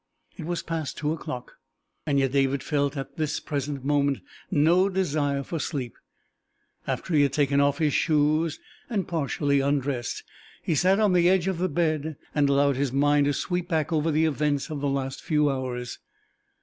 It was past two o'clock, and yet David felt at the present moment no desire for sleep. After he had taken off his shoes and partially undressed, he sat on the edge of his bed and allowed his mind to sweep back over the events of the last few hours.